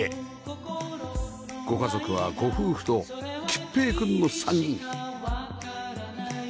ご家族はご夫婦と桔平くんの３人